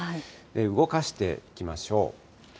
動かしていきましょう。